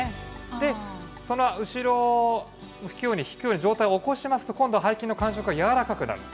で、その後ろを引くように、上体を起こしますと、今度は背筋の感触が柔らかくなる。